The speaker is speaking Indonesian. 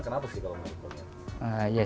kenapa sih kalau malah